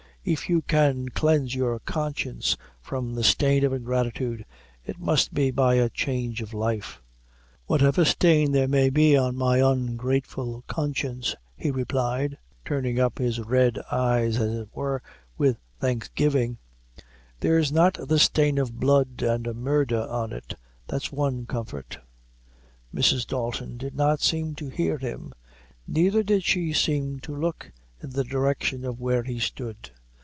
If you can cleanse your conscience from the stain of ingratitude, it must be by a change of life." "Whatever stain there may be on my ungrateful conscience," he replied, turning up his red eyes, as it were with thanksgiving, "there's not the stain of blood and murdher on it that's one comfort." Mrs. Dalton did not seem to hear him, neither did she seem to look in the direction of where he stood.